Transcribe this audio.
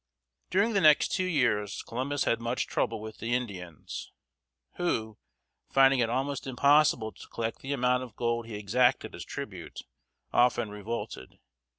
During the next two years Columbus had much trouble with the Indians, who, finding it almost impossible to collect the amount of gold he exacted as tribute, often revolted.